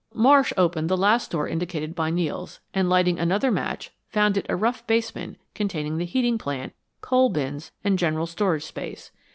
Marsh opened the last door indicated by Nels, and lighting another match, found it a rough basement containing the heating plant, coal bins, and general storage space.